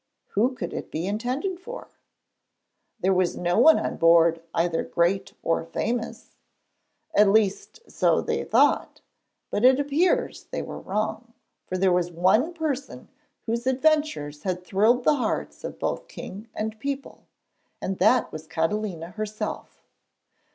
Who could it be intended for? There was no one on board either great or famous! At least so they thought, but it appears they were wrong, for there was one person whose adventures had thrilled the hearts of both king and people, and that was Catalina herself.